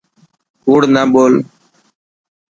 ڪوڙ نه ٻول.